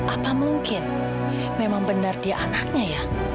apa mungkin memang benar dia anaknya ya